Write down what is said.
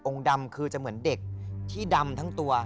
ดำคือจะเหมือนเด็กที่ดำทั้งตัว